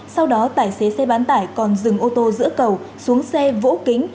sau đó tài xế xe bán tải còn dừng ô tô giữa cầu xuống xe vỗ kính